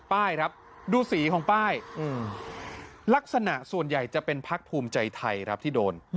ป้ายครับดูสีของป้ายลักษณะส่วนใหญ่จะเป็นพักภูมิใจไทยครับที่โดน